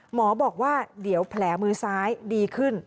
หมอบอกว่าเดี๋ยวแผลมือซ้ายดีขึ้น